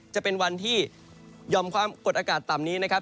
จะเป็นวันที่ยอมความกดอากาศต่ำนี้นะครับ